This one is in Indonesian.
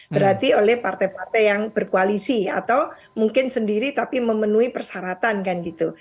berarti oleh partai partai yang berkoalisi atau mungkin sendiri tapi memenuhi persyaratannya